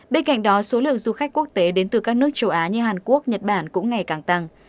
bên cạnh đó số lượng du khách quốc tế đến từ các nước châu á như hàn quốc nhật bản cũng ngày càng tăng